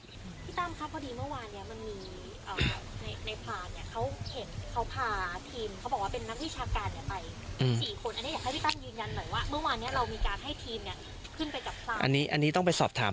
พี่ตั้มครับเมื่อวานเนี่ยมันมีในพานเนี่ยเขาเห็นเขาพาทีม